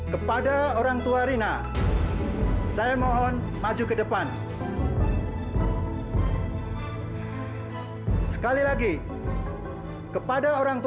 kebentuan lantai baru